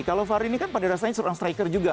kalau fahri ini kan pada rasanya seorang striker juga